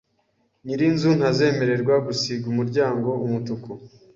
Nyirinzu ntazamwemerera gusiga umuryango umutuku